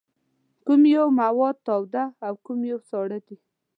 کوم یو مواد تاوده او کوم یو ساړه دي؟